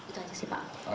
itu aja sih pak